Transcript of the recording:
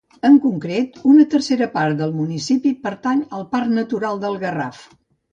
En concret, una tercera part del municipi pertany al Parc Natural del Garraf.